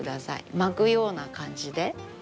巻くような感じで。